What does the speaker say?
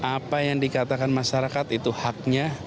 apa yang dikatakan masyarakat itu haknya